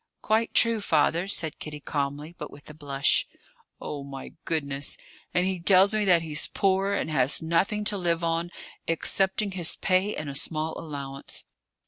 "Quite true, father," said Kitty calmly, but with a blush. "Oh, my goodness! And he tells me that he's poor, and has nothing to live on excepting his pay and a small allowance."